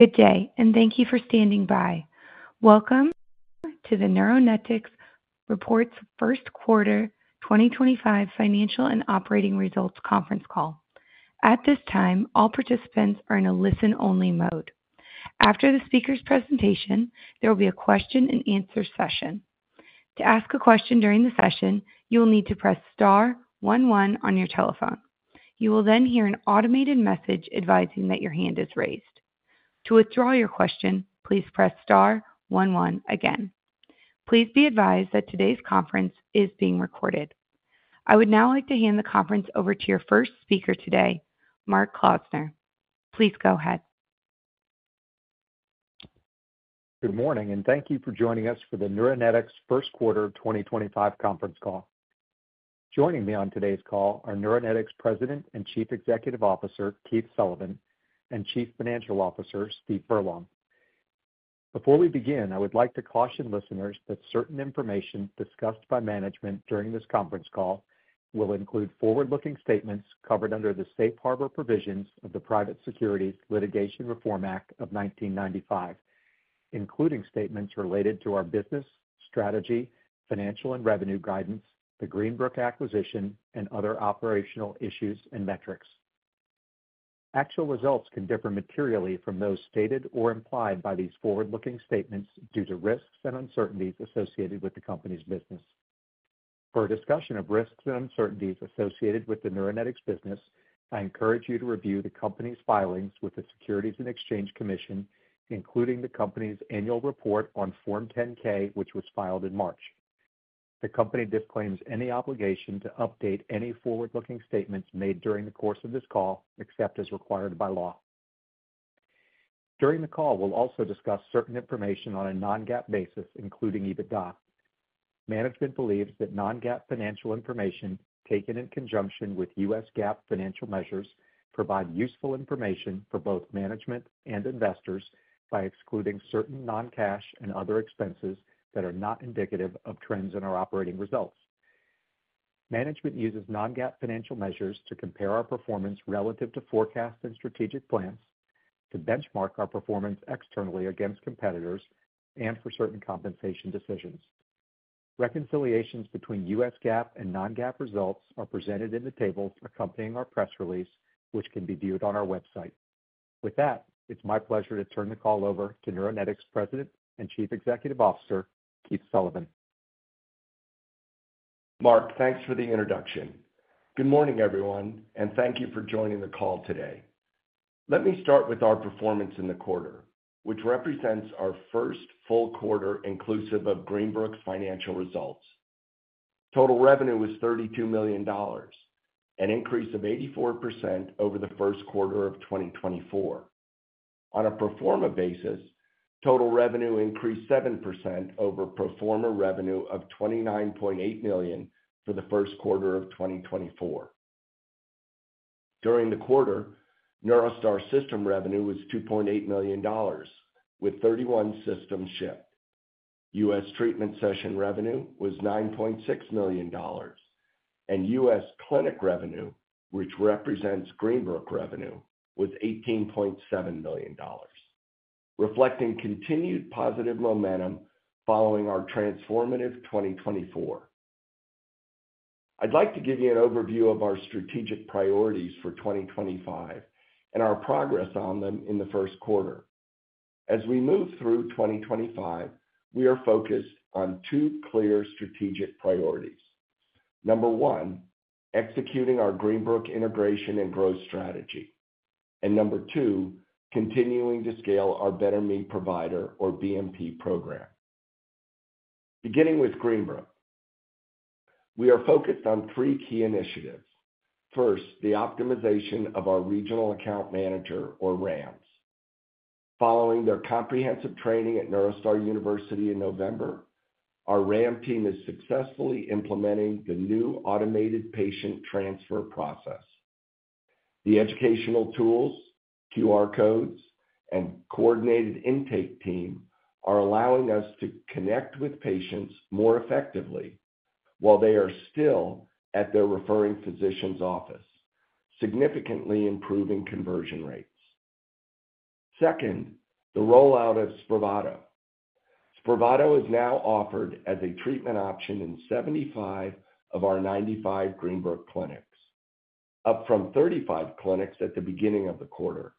Good day, and thank you for standing by. Welcome to the Neuronetics Reports First Quarter 2025 Financial and Operating Results Conference Call. At this time, all participants are in a listen-only mode. After the speaker's presentation, there will be a question-and-answer session. To ask a question during the session, you will need to press star one one on your telephone. You will then hear an automated message advising that your hand is raised. To withdraw your question, please press star one one again. Please be advised that today's conference is being recorded. I would now like to hand the conference over to your first speaker today, Mark Klausner. Please go ahead. Good morning, and thank you for joining us for the Neuronetics First Quarter 2025 Conference Call. Joining me on today's call are Neuronetics President and Chief Executive Officer Keith Sullivan and Chief Financial Officer Steve Furlong. Before we begin, I would like to caution listeners that certain information discussed by management during this conference call will include forward-looking statements covered under the safe harbor provisions of the Private Securities Litigation Reform Act of 1995, including statements related to our business, strategy, financial, and revenue guidance, the Greenbrook acquisition, and other operational issues and metrics. Actual results can differ materially from those stated or implied by these forward-looking statements due to risks and uncertainties associated with the company's business. For a discussion of risks and uncertainties associated with the Neuronetics business, I encourage you to review the company's filings with the Securities and Exchange Commission, including the company's annual report on Form 10-K, which was filed in March. The company disclaims any obligation to update any forward-looking statements made during the course of this call, except as required by law. During the call, we'll also discuss certain information on a non-GAAP basis, including EBITDA. Management believes that non-GAAP financial information taken in conjunction with US GAAP financial measures provides useful information for both management and investors by excluding certain non-cash and other expenses that are not indicative of trends in our operating results. Management uses non-GAAP financial measures to compare our performance relative to forecasts and strategic plans, to benchmark our performance externally against competitors, and for certain compensation decisions. Reconciliations between US GAAP and non-GAAP results are presented in the tables accompanying our press release, which can be viewed on our website. With that, it's my pleasure to turn the call over to Neuronetics President and Chief Executive Officer Keith Sullivan. Mark, thanks for the introduction. Good morning, everyone, and thank you for joining the call today. Let me start with our performance in the quarter, which represents our first full quarter inclusive of Greenbrook's financial results. Total revenue was $32 million, an increase of 84% over the first quarter of 2024. On a pro forma basis, total revenue increased 7% over pro forma revenue of $29.8 million for the first quarter of 2024. During the quarter, NeuroStar system revenue was $2.8 million, with 31 systems shipped. US treatment session revenue was $9.6 million, and U.S. clinic revenue, which represents Greenbrook revenue, was $18.7 million, reflecting continued positive momentum following our transformative 2024. I'd like to give you an overview of our strategic priorities for 2025 and our progress on them in the first quarter. As we move through 2025, we are focused on two clear strategic priorities. Number one, executing our Greenbrook integration and growth strategy. Number two, continuing to scale our Better Me Provider or BMP program. Beginning with Greenbrook, we are focused on three key initiatives. First, the optimization of our regional account manager, or RAMs. Following their comprehensive training at NeuroStar University in November, our RAM team is successfully implementing the new automated patient transfer process. The educational tools, QR codes, and coordinated intake team are allowing us to connect with patients more effectively while they are still at their referring physician's office, significantly improving conversion rates. Second, the rollout of SPRAVATO. SPRAVATO is now offered as a treatment option in 75 of our 95 Greenbrook clinics, up from 35 clinics at the beginning of the quarter.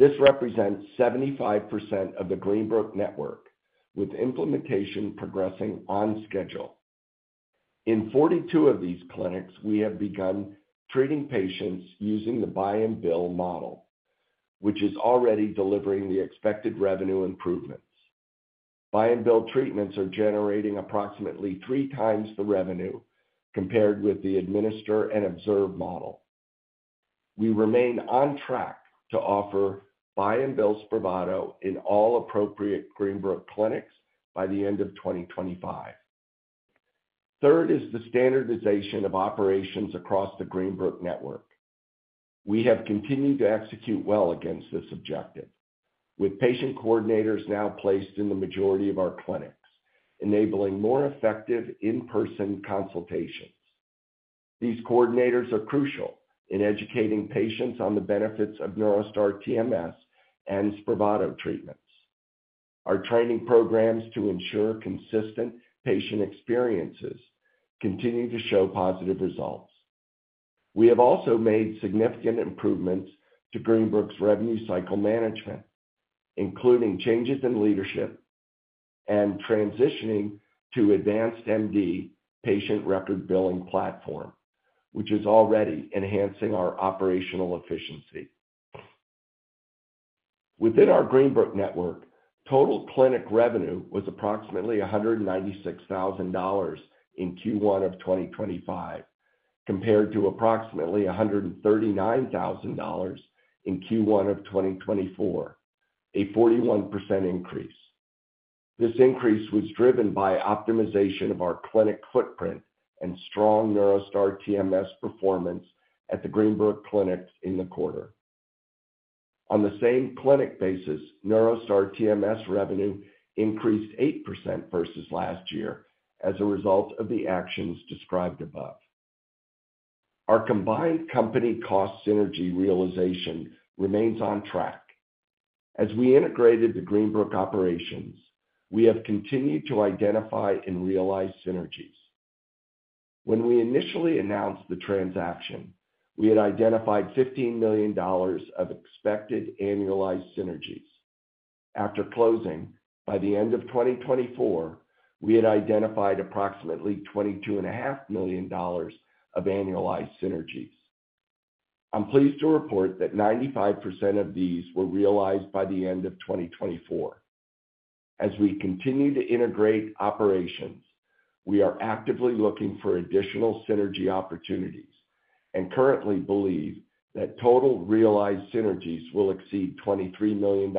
This represents 75% of the Greenbrook network, with implementation progressing on schedule. In 42 of these clinics, we have begun treating patients using the buy-and-bill model, which is already delivering the expected revenue improvements. Buy-and-bill treatments are generating approximately 3x the revenue compared with the administer and observe model. We remain on track to offer buy-and-bill SPRAVATO in all appropriate Greenbrook clinics by the end of 2025. Third is the standardization of operations across the Greenbrook network. We have continued to execute well against this objective, with patient coordinators now placed in the majority of our clinics, enabling more effective in-person consultations. These coordinators are crucial in educating patients on the benefits of NeuroStar TMS and SPRAVATO treatments. Our training programs to ensure consistent patient experiences continue to show positive results. We have also made significant improvements to Greenbrook's revenue cycle management, including changes in leadership and transitioning to AdvancedMD Patient Record Billing platform, which is already enhancing our operational efficiency. Within our Greenbrook network, total clinic revenue was approximately $196,000 in Q1 of 2025, compared to approximately $139,000 in Q1 of 2024, a 41% increase. This increase was driven by optimization of our clinic footprint and strong NeuroStar TMS performance at the Greenbrook clinics in the quarter. On the same clinic basis, NeuroStar TMS revenue increased 8% versus last year as a result of the actions described above. Our combined company cost synergy realization remains on track. As we integrated the Greenbrook operations, we have continued to identify and realize synergies. When we initially announced the transaction, we had identified $15 million of expected annualized synergies. After closing, by the end of 2024, we had identified approximately $22.5 million of annualized synergies. I'm pleased to report that 95% of these were realized by the end of 2024. As we continue to integrate operations, we are actively looking for additional synergy opportunities and currently believe that total realized synergies will exceed $23 million.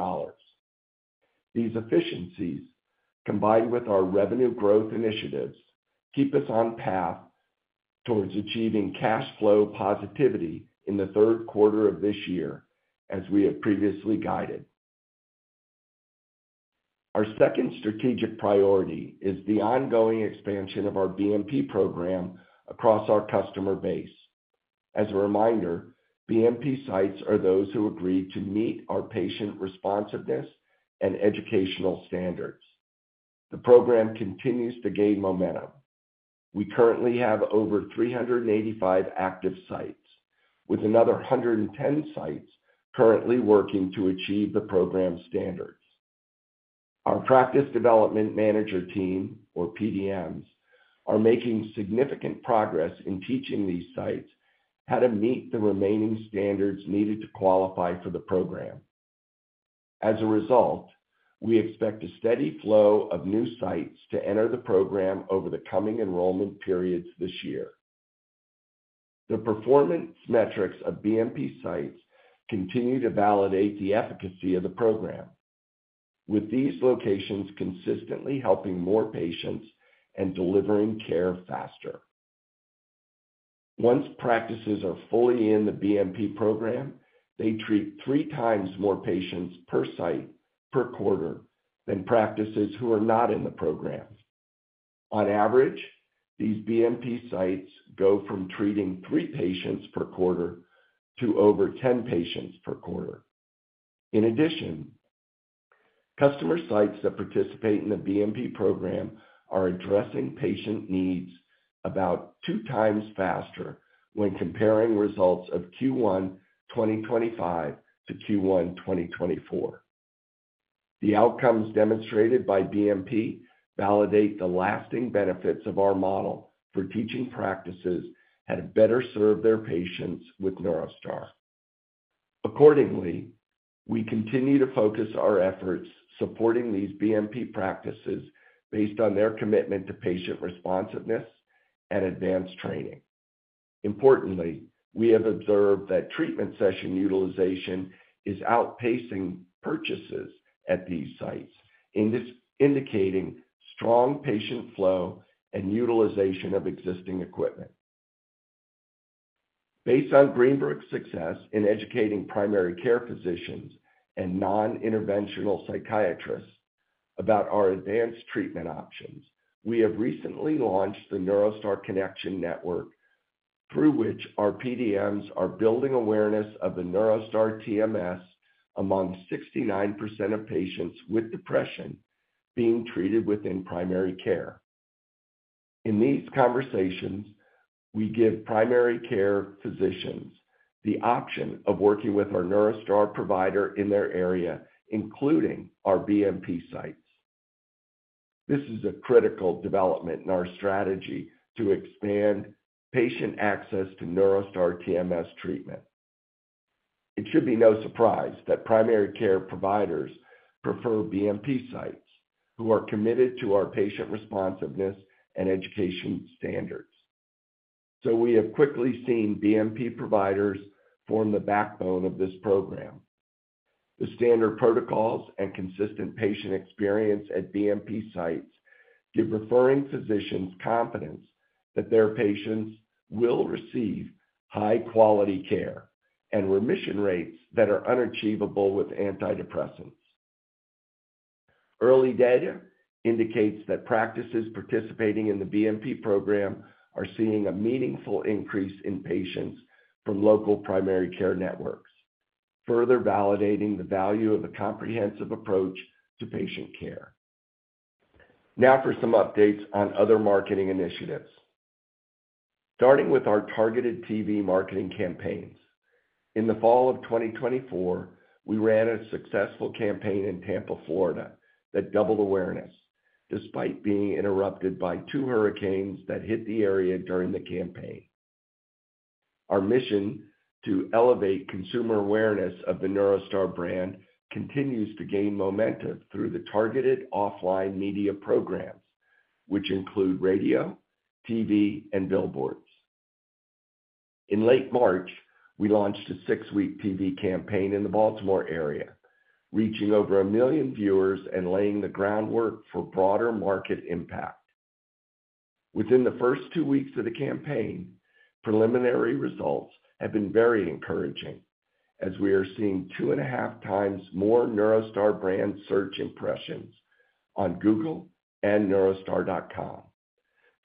These efficiencies, combined with our revenue growth initiatives, keep us on path towards achieving cash flow positivity in the third quarter of this year, as we have previously guided. Our second strategic priority is the ongoing expansion of our BMP program across our customer base. As a reminder, BMP sites are those who agree to meet our patient responsiveness and educational standards. The program continues to gain momentum. We currently have over 385 active sites, with another 110 sites currently working to achieve the program standards. Our practice development manager team, or PDMs, are making significant progress in teaching these sites how to meet the remaining standards needed to qualify for the program. As a result, we expect a steady flow of new sites to enter the program over the coming enrollment periods this year. The performance metrics of BMP sites continue to validate the efficacy of the program, with these locations consistently helping more patients and delivering care faster. Once practices are fully in the BMP program, they treat three times more patients per site per quarter than practices who are not in the program. On average, these BMP sites go from treating three patients per quarter to over 10 patients per quarter. In addition, customer sites that participate in the BMP program are addressing patient needs about two times faster when comparing results of Q1 2025 to Q1 2024. The outcomes demonstrated by BMP validate the lasting benefits of our model for teaching practices how to better serve their patients with NeuroStar. Accordingly, we continue to focus our efforts supporting these BMP practices based on their commitment to patient responsiveness and advanced training. Importantly, we have observed that treatment session utilization is outpacing purchases at these sites, indicating strong patient flow and utilization of existing equipment. Based on Greenbrook's success in educating primary care physicians and non-interventional psychiatrists about our advanced treatment options, we have recently launched the NeuroStar Connection Network, through which our PDMs are building awareness of the NeuroStar TMS among 69% of patients with depression being treated within primary care. In these conversations, we give primary care physicians the option of working with our NeuroStar provider in their area, including our BMP sites. This is a critical development in our strategy to expand patient access to NeuroStar TMS treatment. It should be no surprise that primary care providers prefer BMP sites who are committed to our patient responsiveness and education standards. We have quickly seen BMP providers form the backbone of this program. The standard protocols and consistent patient experience at BMP sites give referring physicians confidence that their patients will receive high-quality care and remission rates that are unachievable with antidepressants. Early data indicates that practices participating in the BMP program are seeing a meaningful increase in patients from local primary care networks, further validating the value of a comprehensive approach to patient care. Now for some updates on other marketing initiatives. Starting with our targeted TV marketing campaigns. In the fall of 2024, we ran a successful campaign in Tampa, Florida, that doubled awareness despite being interrupted by two hurricanes that hit the area during the campaign. Our mission to elevate consumer awareness of the NeuroStar brand continues to gain momentum through the targeted offline media programs, which include radio, TV, and billboards. In late March, we launched a six-week TV campaign in the Baltimore area, reaching over a million viewers and laying the groundwork for broader market impact. Within the first two weeks of the campaign, preliminary results have been very encouraging, as we are seeing two and a half times more NeuroStar brand search impressions on Google and neurostar.com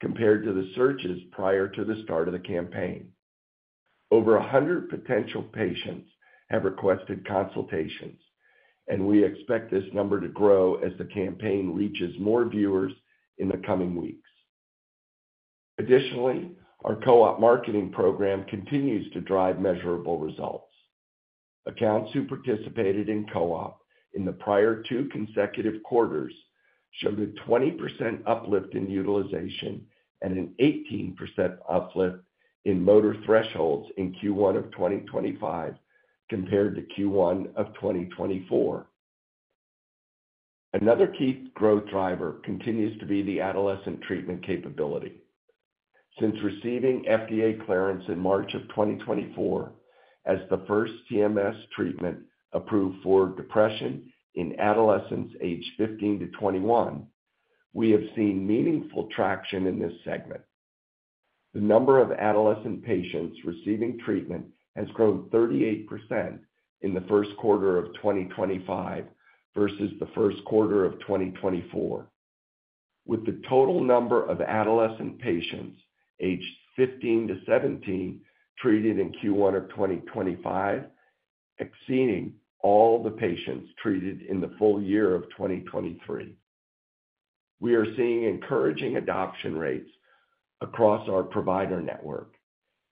compared to the searches prior to the start of the campaign. Over 100 potential patients have requested consultations, and we expect this number to grow as the campaign reaches more viewers in the coming weeks. Additionally, our co-op marketing program continues to drive measurable results. Accounts who participated in co-op in the prior two consecutive quarters showed a 20% uplift in utilization and an 18% uplift in motor thresholds in Q1 of 2025 compared to Q1 of 2024. Another key growth driver continues to be the adolescent treatment capability. Since receiving FDA clearance in March of 2024 as the first TMS treatment approved for depression in adolescents aged 15 to 21, we have seen meaningful traction in this segment. The number of adolescent patients receiving treatment has grown 38% in the first quarter of 2025 versus the first quarter of 2024, with the total number of adolescent patients aged 15 to 17 treated in Q1 of 2025 exceeding all the patients treated in the full year of 2023. We are seeing encouraging adoption rates across our provider network,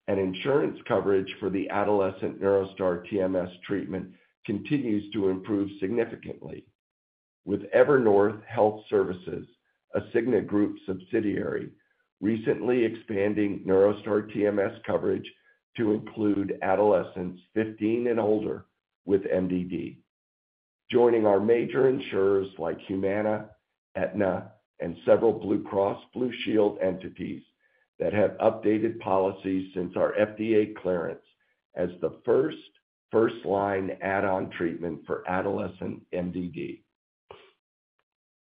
and insurance coverage for the adolescent NeuroStar TMS treatment continues to improve significantly, with Evernorth Health Services, a Cigna Group subsidiary, recently expanding NeuroStar TMS coverage to include adolescents 15 and older with MDD, joining our major insurers like Humana, Aetna, and several Blue Cross Blue Shield entities that have updated policies since our FDA clearance as the first first-line add-on treatment for adolescent MDD.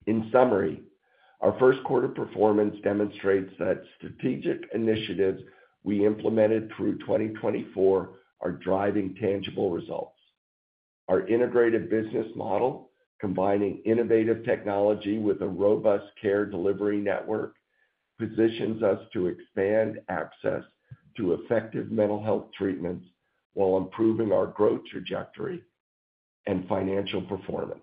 In summary, our first quarter performance demonstrates that strategic initiatives we implemented through 2024 are driving tangible results. Our integrated business model, combining innovative technology with a robust care delivery network, positions us to expand access to effective mental health treatments while improving our growth trajectory and financial performance.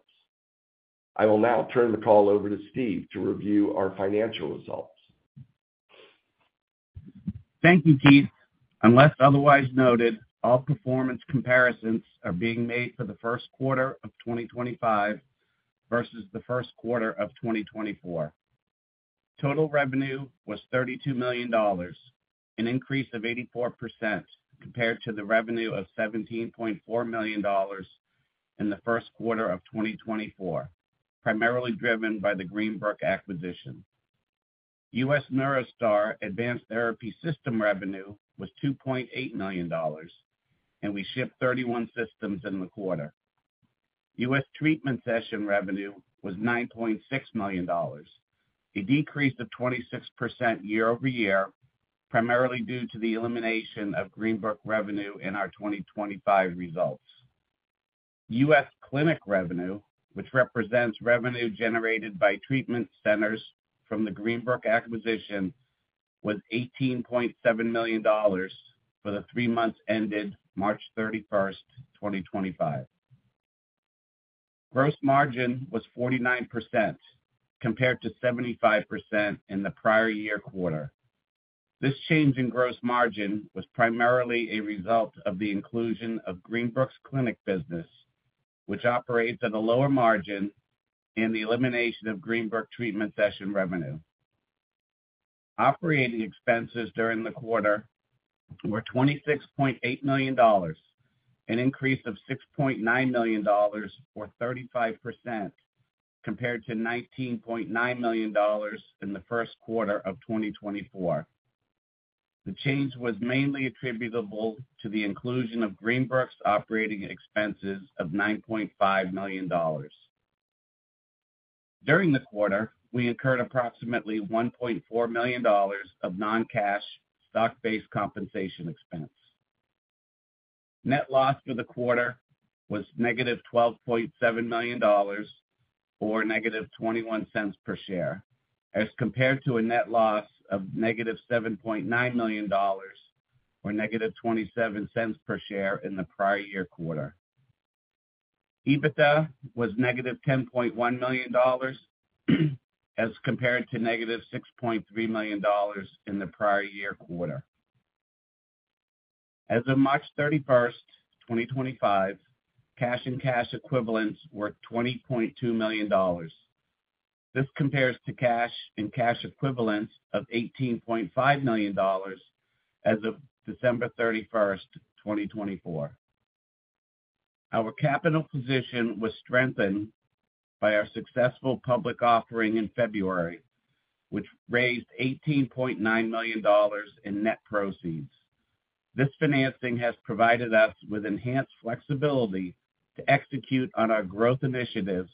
I will now turn the call over to Steve to review our financial results. Thank you, Keith. Unless otherwise noted, all performance comparisons are being made for the first quarter of 2025 versus the first quarter of 2024. Total revenue was $32 million, an increase of 84% compared to the revenue of $17.4 million in the first quarter of 2024, primarily driven by the Greenbrook acquisition. U.S. NeuroStar Advanced Therapy System revenue was $2.8 million, and we shipped 31 systems in the quarter. U.S. Treatment Session revenue was $9.6 million. We decreased to 26% year over year, primarily due to the elimination of Greenbrook revenue in our 2025 results. U.S. Clinic revenue, which represents revenue generated by treatment centers from the Greenbrook acquisition, was $18.7 million for the three months ended March 31, 2025. Gross margin was 49% compared to 75% in the prior year quarter. This change in gross margin was primarily a result of the inclusion of Greenbrook's clinic business, which operates at a lower margin and the elimination of Greenbrook Treatment Session revenue. Operating expenses during the quarter were $26.8 million, an increase of $6.9 million or 35% compared to $19.9 million in the first quarter of 2024. The change was mainly attributable to the inclusion of Greenbrook's operating expenses of $9.5 million. During the quarter, we incurred approximately $1.4 million of non-cash stock-based compensation expense. Net loss for the quarter was -$12.7 million or -$0.21 per share, as compared to a net loss of -$7.9 million or -$0.27 per share in the prior year quarter. EBITDA was -$10.1 million as compared to -$6.3 million in the prior year quarter. As of March 31, 2025, cash and cash equivalents were $20.2 million. This compares to cash and cash equivalents of $18.5 million as of December 31, 2024. Our capital position was strengthened by our successful public offering in February, which raised $18.9 million in net proceeds. This financing has provided us with enhanced flexibility to execute on our growth initiatives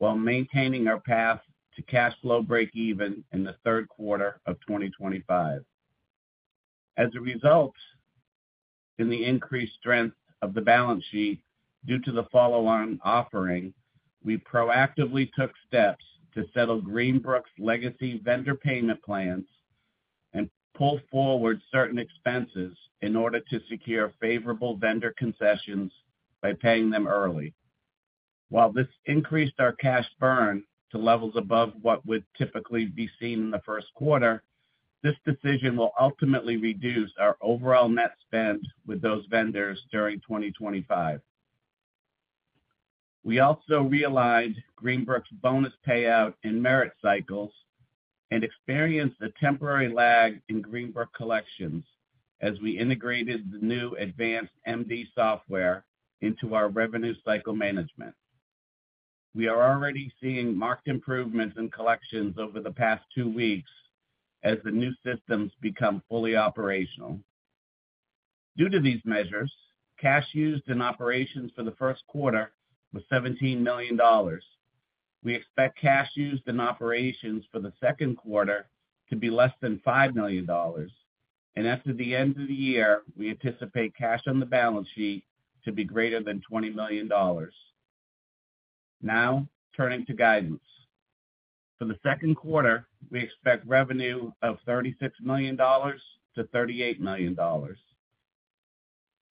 while maintaining our path to cash flow breakeven in the third quarter of 2025. As a result, in the increased strength of the balance sheet due to the follow-on offering, we proactively took steps to settle Greenbrook's legacy vendor payment plans and pull forward certain expenses in order to secure favorable vendor concessions by paying them early. While this increased our cash burn to levels above what would typically be seen in the first quarter, this decision will ultimately reduce our overall net spend with those vendors during 2025. We also realized Greenbrook's bonus payout in merit cycles and experienced a temporary lag in Greenbrook collections as we integrated the new AdvancedMD software into our revenue cycle management. We are already seeing marked improvements in collections over the past two weeks as the new systems become fully operational. Due to these measures, cash used in operations for the first quarter was $17 million. We expect cash used in operations for the second quarter to be less than $5 million, and after the end of the year, we anticipate cash on the balance sheet to be greater than $20 million. Now, turning to guidance. For the second quarter, we expect revenue of $36 million-$38 million.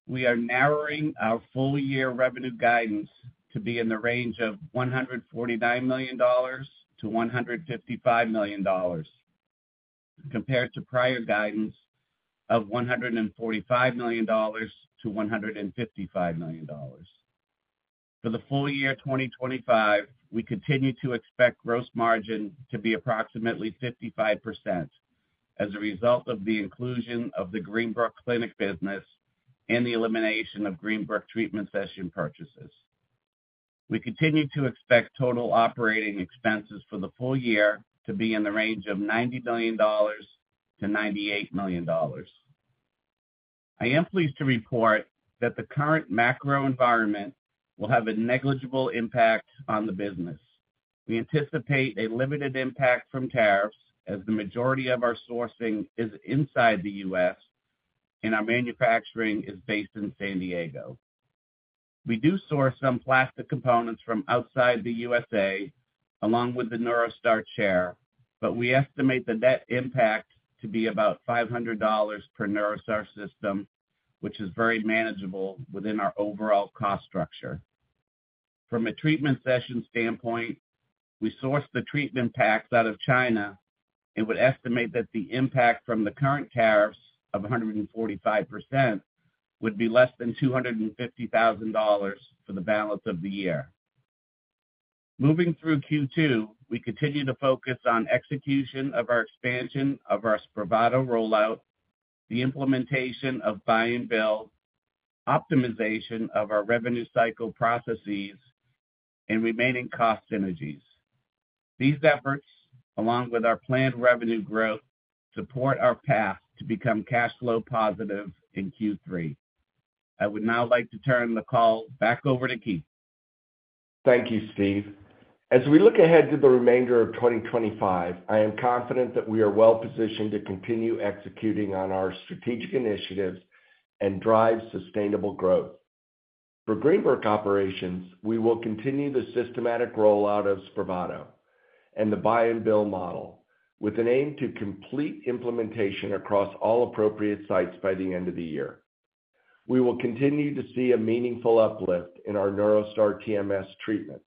We are narrowing our full year revenue guidance to be in the range of $149 million-$155 million compared to prior guidance of $145 million-$155 million. For the full year 2025, we continue to expect gross margin to be approximately 55% as a result of the inclusion of the Greenbrook TMS clinic business and the elimination of Greenbrook TMS Treatment Session purchases. We continue to expect total operating expenses for the full year to be in the range of $90 million-$98 million. I am pleased to report that the current macro environment will have a negligible impact on the business. We anticipate a limited impact from tariffs as the majority of our sourcing is inside the U.S. and our manufacturing is based in San Diego. We do source some plastic components from outside the U.S. along with the NeuroStar Chair, but we estimate the net impact to be about $500 per NeuroStar system, which is very manageable within our overall cost structure. From a treatment session standpoint, we source the treatment packs out of China and would estimate that the impact from the current tariffs of 145% would be less than $250,000 for the balance of the year. Moving through Q2, we continue to focus on execution of our expansion of our SPRAVATO rollout, the implementation of buy and bill, optimization of our revenue cycle processes, and remaining cost synergies. These efforts, along with our planned revenue growth, support our path to become cash flow positive in Q3. I would now like to turn the call back over to Keith. Thank you, Steve. As we look ahead to the remainder of 2025, I am confident that we are well positioned to continue executing on our strategic initiatives and drive sustainable growth. For Greenbrook TMS operations, we will continue the systematic rollout of SPRAVATO and the buy-and-bill model with an aim to complete implementation across all appropriate sites by the end of the year. We will continue to see a meaningful uplift in our NeuroStar TMS treatments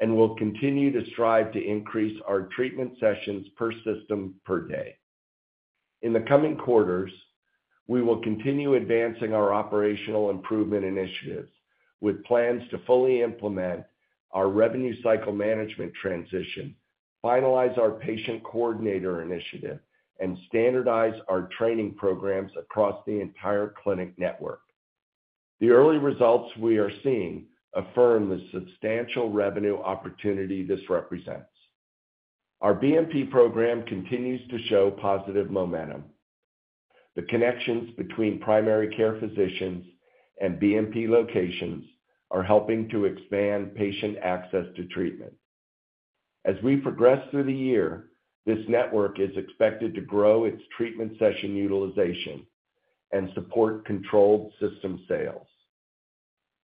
and will continue to strive to increase our treatment sessions per system per day. In the coming quarters, we will continue advancing our operational improvement initiatives with plans to fully implement our revenue cycle management transition, finalize our patient coordinator initiative, and standardize our training programs across the entire clinic network. The early results we are seeing affirm the substantial revenue opportunity this represents. Our BMP program continues to show positive momentum. The connections between primary care physicians and BMP locations are helping to expand patient access to treatment. As we progress through the year, this network is expected to grow its treatment session utilization and support controlled system sales.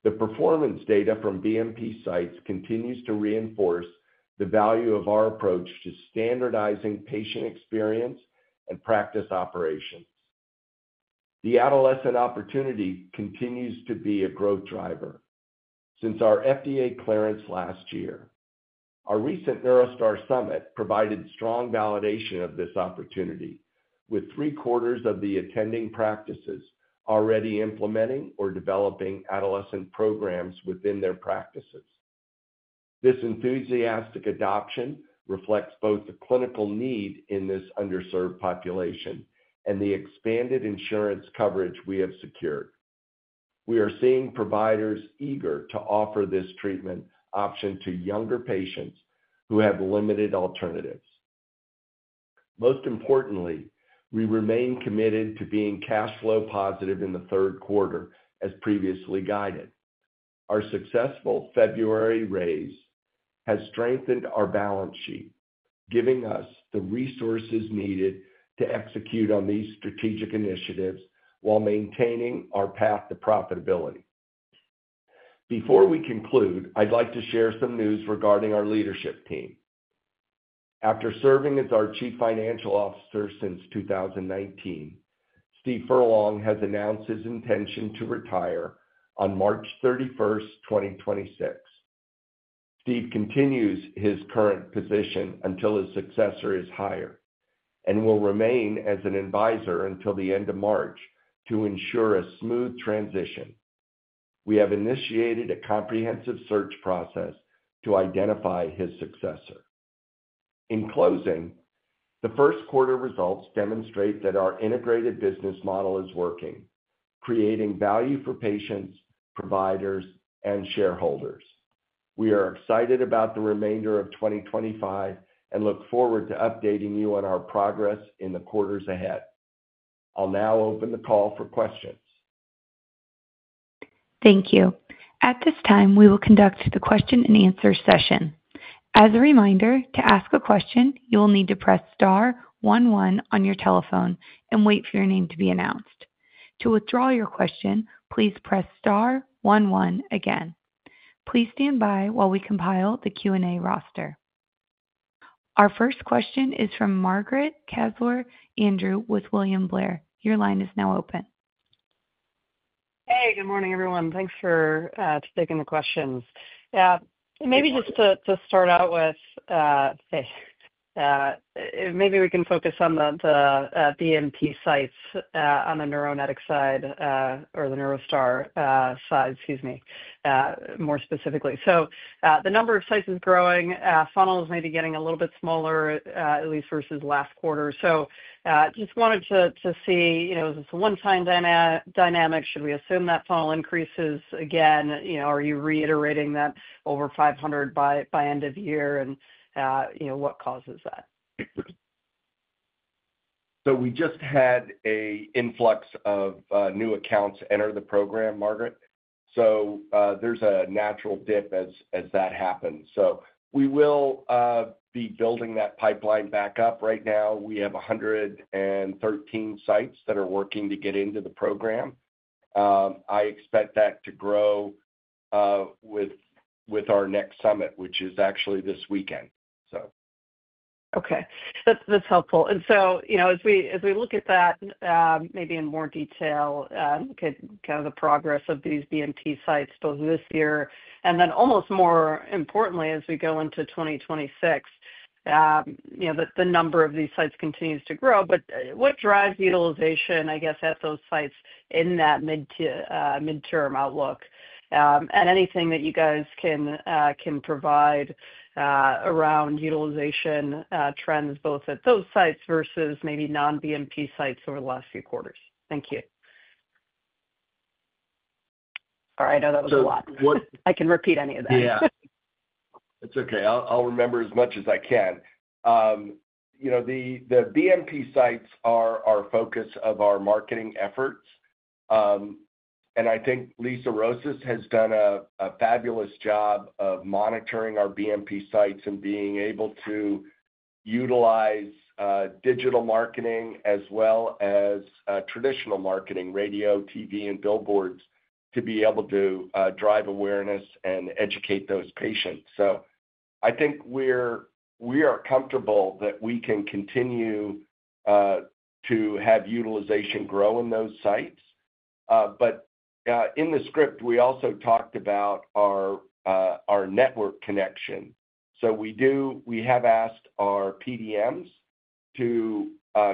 The performance data from BMP sites continues to reinforce the value of our approach to standardizing patient experience and practice operations. The adolescent opportunity continues to be a growth driver since our FDA clearance last year. Our recent NeuroStar Summit provided strong validation of this opportunity, with three quarters of the attending practices already implementing or developing adolescent programs within their practices. This enthusiastic adoption reflects both the clinical need in this underserved population and the expanded insurance coverage we have secured. We are seeing providers eager to offer this treatment option to younger patients who have limited alternatives. Most importantly, we remain committed to being cash flow positive in the third quarter, as previously guided. Our successful February raise has strengthened our balance sheet, giving us the resources needed to execute on these strategic initiatives while maintaining our path to profitability. Before we conclude, I'd like to share some news regarding our leadership team. After serving as our Chief Financial Officer since 2019, Steve Furlong has announced his intention to retire on March 31, 2026. Steve continues his current position until his successor is hired and will remain as an advisor until the end of March to ensure a smooth transition. We have initiated a comprehensive search process to identify his successor. In closing, the first quarter results demonstrate that our integrated business model is working, creating value for patients, providers, and shareholders. We are excited about the remainder of 2025 and look forward to updating you on our progress in the quarters ahead. I'll now open the call for questions. Thank you. At this time, we will conduct the question and answer session. As a reminder, to ask a question, you will need to press star one one on your telephone and wait for your name to be announced. To withdraw your question, please press star one one again. Please stand by while we compile the Q&A roster. Our first question is from Margaret Kaczor Andrew with William Blair. Your line is now open. Hey, good morning, everyone. Thanks for taking the questions. Yeah, maybe just to start out with, maybe we can focus on the BMP sites on the Neuronetics side or the NeuroStar side, excuse me, more specifically. So the number of sites is growing. Funnels may be getting a little bit smaller, at least versus last quarter. Just wanted to see, is this a one-time dynamic? Should we assume that funnel increases again? Are you reiterating that over 500 by end of year? What causes that? We just had an influx of new accounts enter the program, Margaret. There is a natural dip as that happens. We will be building that pipeline back up. Right now, we have 113 sites that are working to get into the program. I expect that to grow with our next summit, which is actually this weekend. Okay, that's helpful. As we look at that maybe in more detail, look at kind of the progress of these BMP sites both this year and then almost more importantly, as we go into 2026, the number of these sites continues to grow. What drives utilization, I guess, at those sites in that midterm outlook? Anything that you guys can provide around utilization trends both at those sites versus maybe non-BMP sites over the last few quarters. Thank you. All right, I know that was a lot. I can repeat any of that. Yeah, it's okay. I'll remember as much as I can. The BMP sites are our focus of our marketing efforts. I think Lisa Rosas has done a fabulous job of monitoring our BMP sites and being able to utilize digital marketing as well as traditional marketing, radio, TV, and billboards to be able to drive awareness and educate those patients. I think we are comfortable that we can continue to have utilization grow in those sites. In the script, we also talked about our network connection. We have asked our PDMs to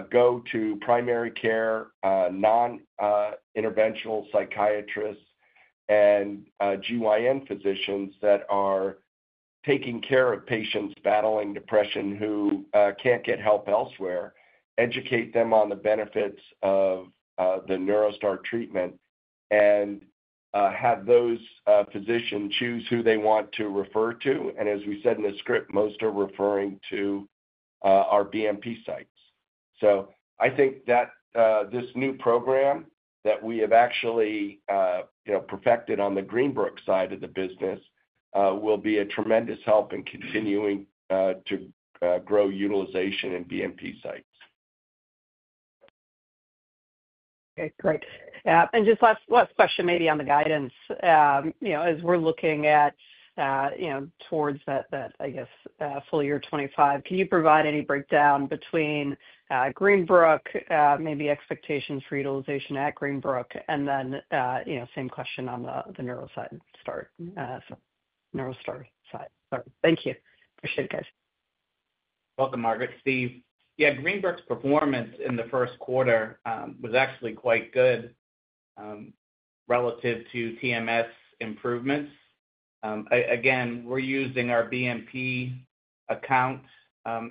go to primary care, non-interventional psychiatrists, and GYN physicians that are taking care of patients battling depression who can't get help elsewhere, educate them on the benefits of the NeuroStar treatment, and have those physicians choose who they want to refer to. As we said in the script, most are referring to our BMP sites. I think that this new program that we have actually perfected on the Greenbrook side of the business will be a tremendous help in continuing to grow utilization in BMP sites. Okay, great. Just last question, maybe on the guidance. As we're looking towards that, I guess, full year 2025, can you provide any breakdown between Greenbrook, maybe expectations for utilization at Greenbrook, and then same question on the NeuroStar side. Thank you. Appreciate it, guys. Welcome, Margaret. Steve. Yeah, Greenbrook's performance in the first quarter was actually quite good relative to TMS improvements. Again, we're using our BMP account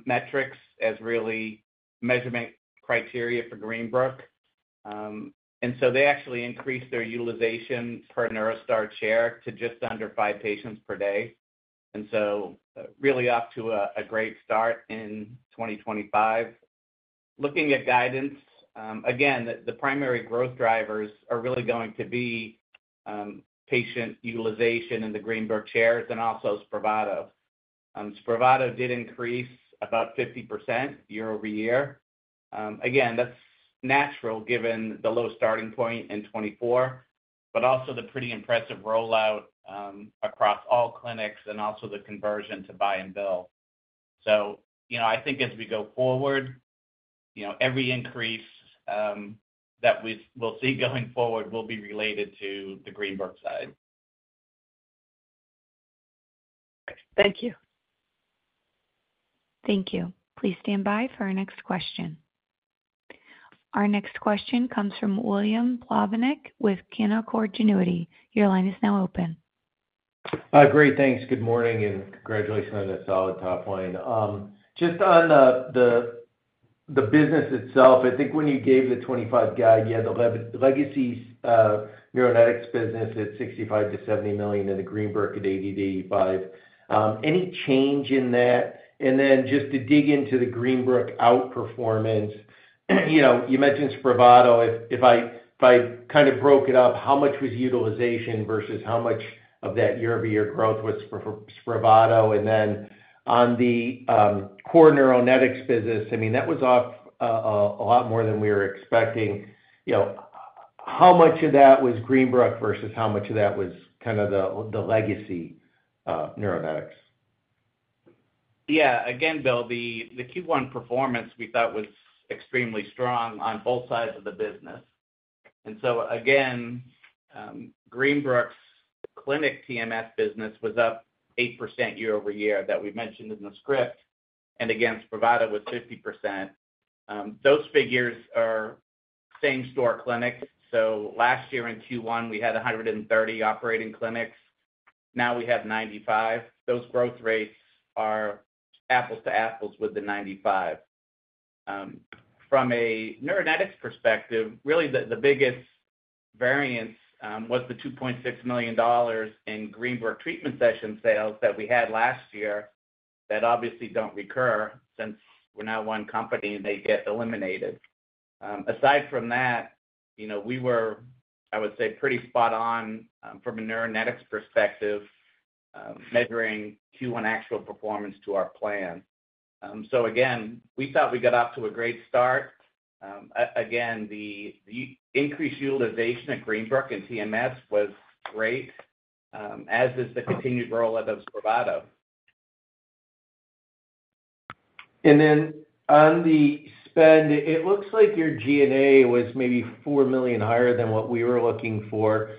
metrics as really measurement criteria for Greenbrook. They actually increased their utilization per NeuroStar Chair to just under five patients per day. Really up to a great start in 2025. Looking at guidance, again, the primary growth drivers are really going to be patient utilization in the Greenbrook chairs and also SPRAVATO. SPRAVATO did increase about 50% year over year. That's natural given the low starting point in 2024, but also the pretty impressive rollout across all clinics and also the conversion to buy-and-bill. I think as we go forward, every increase that we'll see going forward will be related to the Greenbrook side. Thank you. Thank you. Please stand by for our next question. Our next question comes from William Plovanic with Canaccord Genuity. Your line is now open. Great. Thanks. Good morning and congratulations on that solid top line. Just on the business itself, I think when you gave the 2025 guide, you had the legacy Neuronetics business at $65 million-$70 million and the Greenbrook at $80 million-$85 million. Any change in that? Just to dig into the Greenbrook outperformance, you mentioned SPRAVATO. If I kind of broke it up, how much was utilization versus how much of that year-over-year growth was SPRAVATO? On the core Neuronetics business, I mean, that was off a lot more than we were expecting. How much of that was Greenbrook versus how much of that was kind of the legacy Neuronetics? Yeah. Again, Bill, the Q1 performance we thought was extremely strong on both sides of the business. Greenbrook's clinic TMS business was up 8% year over year that we mentioned in the script. SPRAVATO was 50%. Those figures are same store clinics. Last year in Q1, we had 130 operating clinics. Now we have 95. Those growth rates are apples to apples with the 95. From a Neuronetics perspective, really the biggest variance was the $2.6 million in Greenbrook treatment session sales that we had last year that obviously do not recur since we are now one company and they get eliminated. Aside from that, we were, I would say, pretty spot on from a Neuronetics perspective measuring Q1 actual performance to our plan. We thought we got off to a great start. The increased utilization at Greenbrook and TMS was great, as is the continued growth of SPRAVATO. On the spend, it looks like your G&A was maybe $4 million higher than what we were looking for.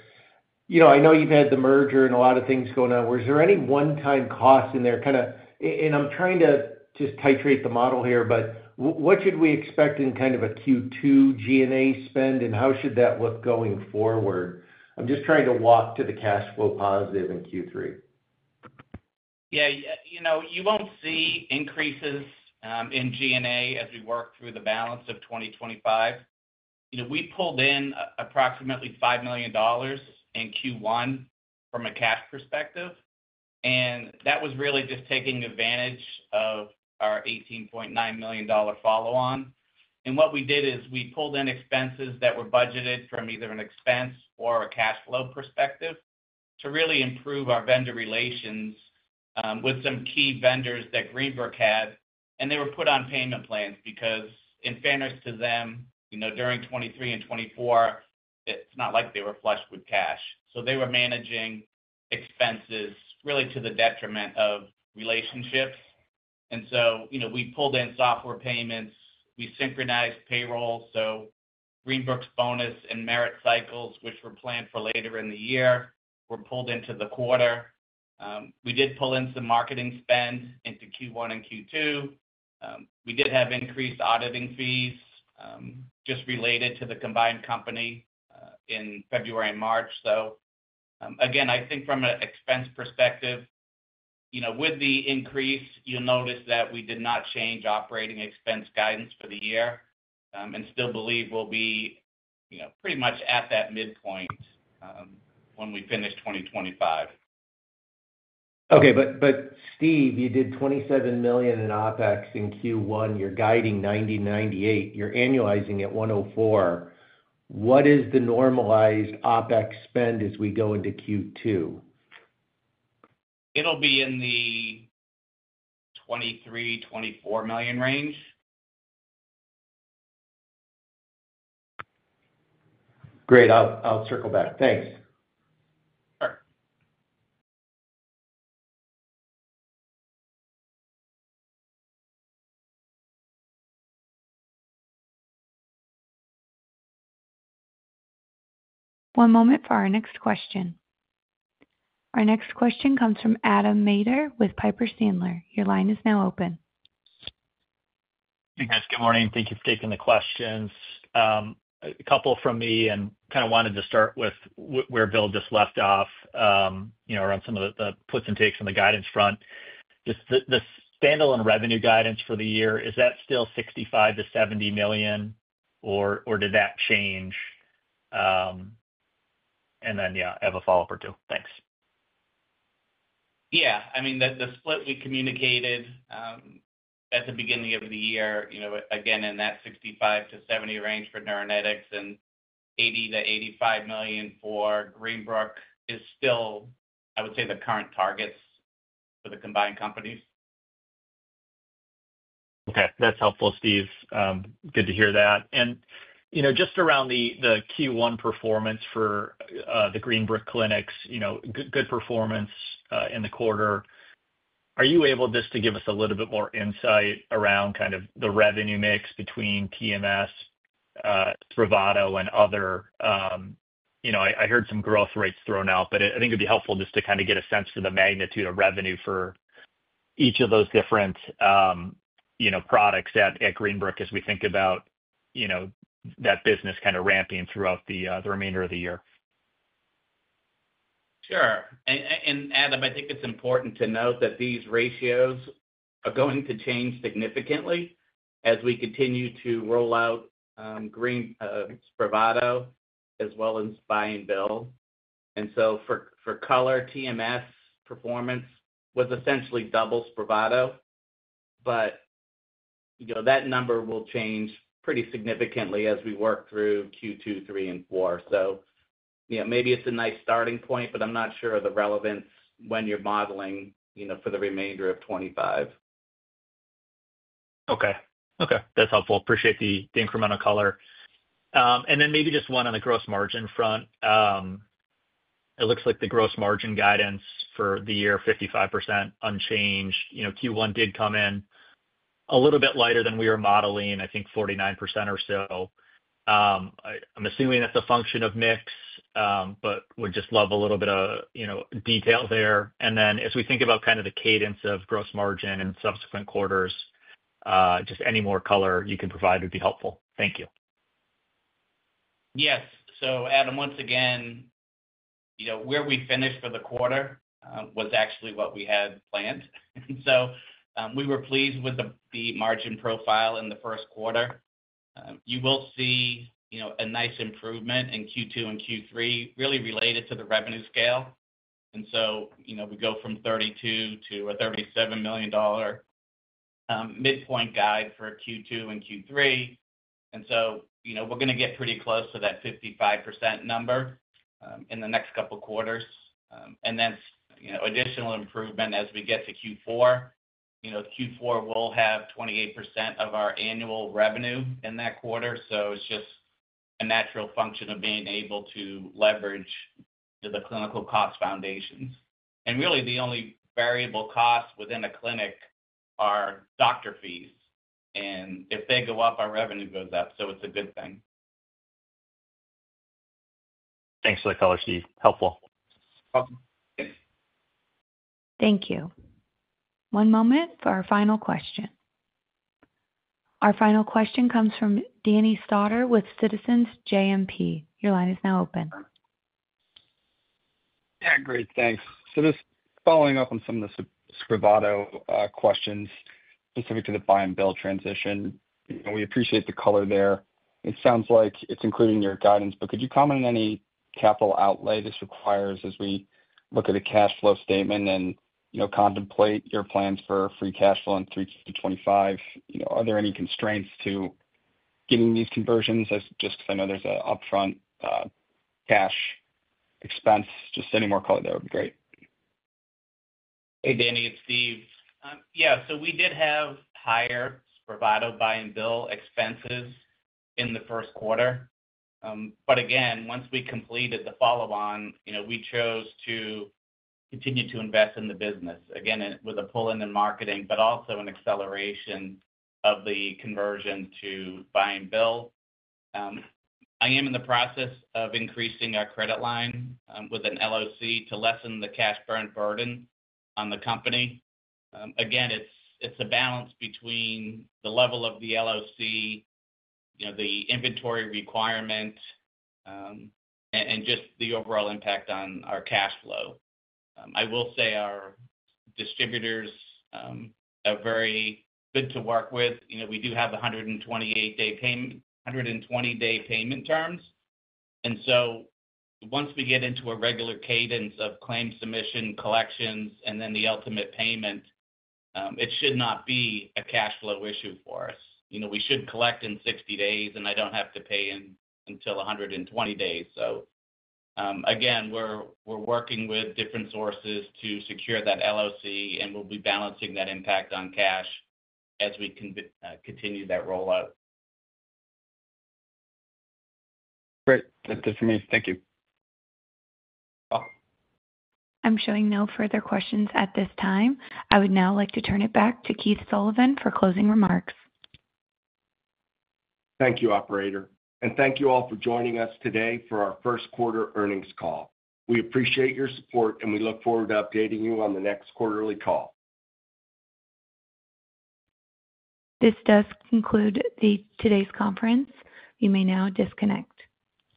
I know you've had the merger and a lot of things going on. Was there any one-time costs in there? I'm trying to just titrate the model here, but what should we expect in kind of a Q2 G&A spend and how should that look going forward? I'm just trying to walk to the cash flow positive in Q3. You won't see increases in G&A as we work through the balance of 2025. We pulled in approximately $5 million in Q1 from a cash perspective. That was really just taking advantage of our $18.9 million follow-on. What we did is we pulled in expenses that were budgeted from either an expense or a cash flow perspective to really improve our vendor relations with some key vendors that Greenbrook had. They were put on payment plans because in fairness to them, during 2023 and 2024, it's not like they were flushed with cash. They were managing expenses really to the detriment of relationships. We pulled in software payments. We synchronized payroll. Greenbrook's bonus and merit cycles, which were planned for later in the year, were pulled into the quarter. We did pull in some marketing spend into Q1 and Q2. We did have increased auditing fees just related to the combined company in February and March. Again, I think from an expense perspective, with the increase, you'll notice that we did not change operating expense guidance for the year and still believe we'll be pretty much at that midpoint when we finish 2025. Okay. But Steve, you did $27 million in OpEx in Q1. You're guiding $90 million-$98 million. You're annualizing at $104 million. What is the normalized OpEx spend as we go into Q2? It'll be in the $23 million-$24 million range. Great. I'll circle back. Thanks. One moment for our next question. Our next question comes from Adam Maeder with Piper Sandler. Your line is now open. Hey, guys. Good morning. Thank you for taking the questions. A couple from me. And kind of wanted to start with where Bill just left off around some of the puts and takes on the guidance front. The standalone revenue guidance for the year, is that still $65 million-$70 million, or did that change? Yeah, I have a follow-up or two. Thanks. Yeah. I mean, the split we communicated at the beginning of the year, again, in that $65 million-$70 million range for Neuronetics and $80-$85 million for Greenbrook is still, I would say, the current targets for the combined companies. Okay. That's helpful, Steve. Good to hear that. Just around the Q1 performance for the Greenbrook clinics, good performance in the quarter. Are you able just to give us a little bit more insight around kind of the revenue mix between TMS, SPRAVATO, and other? I heard some growth rates thrown out, but I think it'd be helpful just to kind of get a sense of the magnitude of revenue for each of those different products at Greenbrook as we think about that business kind of ramping throughout the remainder of the year. Sure. Adam, I think it's important to note that these ratios are going to change significantly as we continue to roll out SPRAVATO as well as buy and bill. For color, TMS performance was essentially double SPRAVATO, but that number will change pretty significantly as we work through Q2, 3, and 4. Maybe it's a nice starting point, but I'm not sure of the relevance when you're modeling for the remainder of 2025. Okay. Okay. That's helpful. Appreciate the incremental color. Maybe just one on the gross margin front. It looks like the gross margin guidance for the year, 55% unchanged. Q1 did come in a little bit lighter than we were modeling, I think 49% or so. I'm assuming that's a function of mix, but would just love a little bit of detail there. As we think about kind of the cadence of gross margin in subsequent quarters, just any more color you can provide would be helpful. Thank you. Yes. Adam, once again, where we finished for the quarter was actually what we had planned. We were pleased with the margin profile in the first quarter. You will see a nice improvement in Q2 and Q3 really related to the revenue scale. We go from $32 million to a $37 million midpoint guide for Q2 and Q3. We're going to get pretty close to that 55% number in the next couple of quarters. Additional improvement as we get to Q4. Q4 will have 28% of our annual revenue in that quarter. It's just a natural function of being able to leverage the clinical cost foundations. Really, the only variable costs within a clinic are doctor fees. If they go up, our revenue goes up. It's a good thing. Thanks for the color, Steve. Helpful. Thank you. One moment for our final question. Our final question comes from Danny Stotter with Citizens JMP. Your line is now open. Yeah. Great. Thanks. Just following up on some of the SPRAVATO questions specific to the buy and bill transition, we appreciate the color there. It sounds like it's including your guidance, but could you comment on any capital outlay this requires as we look at a cash flow statement and contemplate your plans for free cash flow in 3Q to 2025? Are there any constraints to giving these conversions? Just because I know there's an upfront cash expense. Just any more color there would be great. Hey, Danny. It's Steve. Yeah. We did have higher SPRAVATO buy and bill expenses in the first quarter. Again, once we completed the follow-on, we chose to continue to invest in the business, again, with a pull-in in marketing, but also an acceleration of the conversion to buy and bill. I am in the process of increasing our credit line with an LOC to lessen the cash burn burden on the company. Again, it's a balance between the level of the LOC, the inventory requirement, and just the overall impact on our cash flow. I will say our distributors are very good to work with. We do have 120-day payment terms. Once we get into a regular cadence of claim submission, collections, and then the ultimate payment, it should not be a cash flow issue for us. We should collect in 60 days, and I don't have to pay in until 120 days. We are working with different sources to secure that LOC, and we'll be balancing that impact on cash as we continue that rollout. Great. That's it for me. Thank you. I'm showing no further questions at this time. I would now like to turn it back to Keith Sullivan for closing remarks. Thank you, Operator. Thank you all for joining us today for our first quarter earnings call. We appreciate your support, and we look forward to updating you on the next quarterly call. This does conclude today's conference. You may now disconnect.